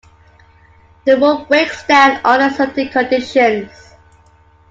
The rule breaks down under certain conditions.